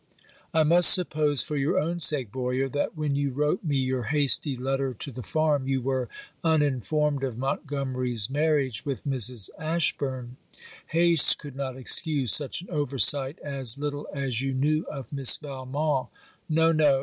I must suppose, for your own sake, Boyer, that when you wrote me your hasty letter to the farm, you were uninformed of Montgomery's marriage with Mrs. Ashburn. Haste could not excuse such an over sight, as little as you knew of Miss Valmont. No! no!